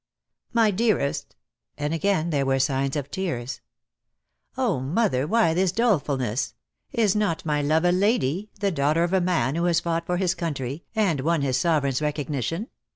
"My dearest," and again there were signs of tears. "Oh, mother, why this dolefulness? Is not my love a lady, the daughter of a man who has fought for his country, and won his Sovereign's recognition?